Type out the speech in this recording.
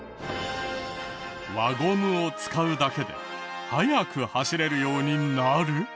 輪ゴムを使うだけで速く走れるようになる！？